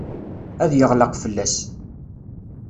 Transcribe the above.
Ad yeɣleq fell-as.